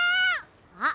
あっ